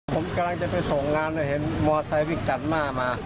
ผมกำลังจะไปส่งงานเห็นมอเตอร์ไซต์วิ่งจัดมามา